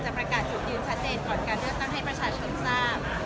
ประกาศจุดยืนชัดเจนก่อนการเลือกตั้งให้ประชาชนทราบ